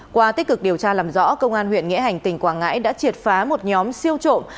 qua tích cực điều tra làm rõ công an huyện nghĩa hành tỉnh quảng ngãi đã triệt phá một nhóm siêu trộm